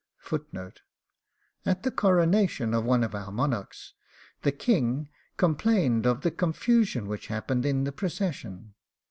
At the coronation of one of our monarchs the King complained of the confusion which happened in the procession.